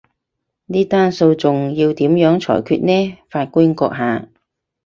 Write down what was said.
呢單訴訟要點樣裁決呢，法官閣下？